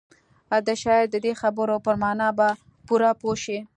د شاعر د دې خبرو پر مانا به پوره پوه شئ.